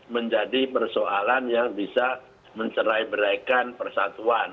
menjadi persoalan yang bisa mencerai beraikan persatuan